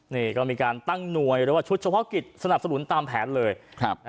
นี่ก็มีการตั้งหน่วยหรือว่าชุดเฉพาะกิจสนับสนุนตามแผนเลยครับ